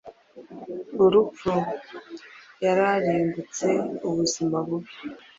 Urupfu yararimbutseUbuzima bubi-